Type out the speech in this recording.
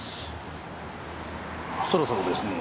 そろそろですね。